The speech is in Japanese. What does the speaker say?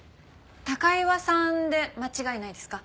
高岩さんで間違いないですか？